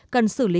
cần xử lý